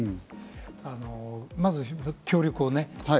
まず協力をね。